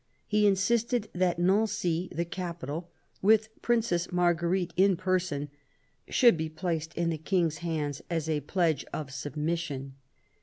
He insisted that Nancy, the capital, with Princess Marguerite in person, should be placed in the King's hands as a pledge of submission.